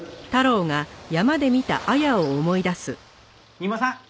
三馬さん